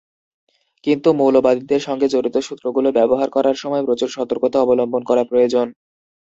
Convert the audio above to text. কিন্তু, মৌলবাদীদের সঙ্গে জড়িত সূত্রগুলো ব্যবহার করার সময় প্রচুর সতর্কতা অবলম্বন করা প্রয়োজন।